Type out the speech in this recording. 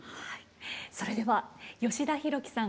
それでは吉田ひろきさん